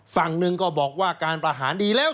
ฝั่งหนึ่งก็บอกว่าการประหารดีแล้ว